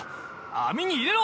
網に入れろ！！